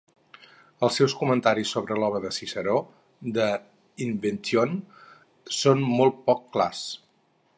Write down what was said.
Els seus comentaris sobre l'obra de Ciceró "De Inventione" són molt poc clars.